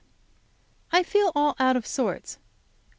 I feel all out of sorts.